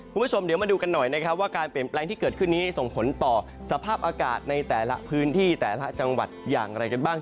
คุณผู้ชมเดี๋ยวมาดูกันหน่อยนะครับว่าการเปลี่ยนแปลงที่เกิดขึ้นนี้ส่งผลต่อสภาพอากาศในแต่ละพื้นที่แต่ละจังหวัดอย่างไรกันบ้าง